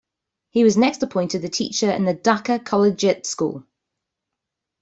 He was next appointed a teacher in the Dhaka Collegiate School.